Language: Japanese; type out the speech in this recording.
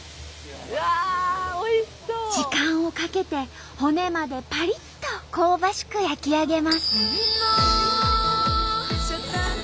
時間をかけて骨までパリッと香ばしく焼き上げます。